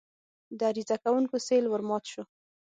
د عریضه کوونکو سېل ورمات شو.